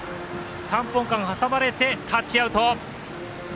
三本間挟まれてタッチアウト。